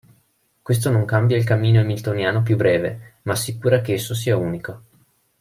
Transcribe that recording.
Questo non cambia il cammino hamiltoniano più breve, ma assicura che esso sia unico.